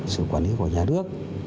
sự quản lý của nhà nước